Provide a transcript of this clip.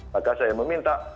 maka saya meminta